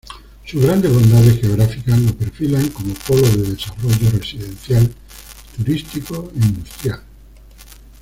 Sus grandes bondades geográficas lo perfilan como polo de desarrollo residencial, turístico e industrial.